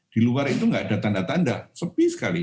di luar itu nggak ada tanda tanda sepi sekali